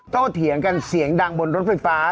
เถียงกันเสียงดังบนรถไฟฟ้า